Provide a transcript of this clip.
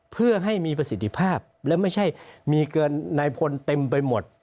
เพื่อให้มีประสิทธิภาพและไม่ใช่มีเกินนายพลเต็มไปหมด